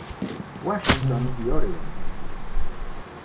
Washington y Oregon.